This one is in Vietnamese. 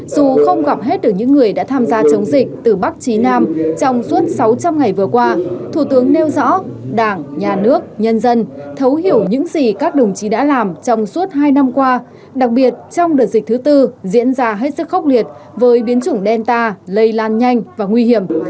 dù không gặp hết được những người đã tham gia chống dịch từ bắc chí nam trong suốt sáu trăm linh ngày vừa qua thủ tướng nêu rõ đảng nhà nước nhân dân thấu hiểu những gì các đồng chí đã làm trong suốt hai năm qua đặc biệt trong đợt dịch thứ tư diễn ra hết sức khốc liệt với biến chủng delta lây lan nhanh và nguy hiểm